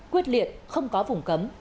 quyết liệt không có vùng cấm